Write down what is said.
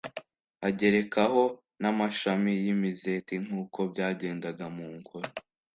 agerekaho n'amashami y'imizeti, nk'uko byagendaga mu ngoro